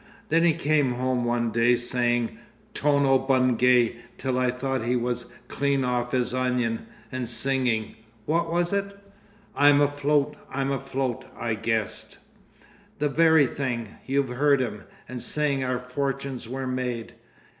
Then he came home one day saying Tono Bungay till I thought he was clean off his onion, and singing—what was it?" "'I'm afloat, I'm afloat,'" I guessed. "The very thing. You've heard him. And saying our fortunes were made.